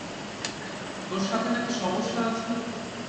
তোর সাথে না-কি সমস্যা আছে?